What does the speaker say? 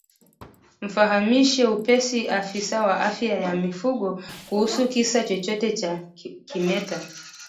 Mfahamishe upesi afisa wa afya ya mifugo kuhusu kisa chochote cha kimeta